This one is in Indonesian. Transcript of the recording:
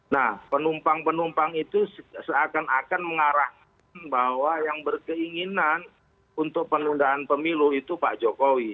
nah penumpang penumpang itu seakan akan mengarahkan bahwa yang berkeinginan untuk penundaan pemilu itu pak jokowi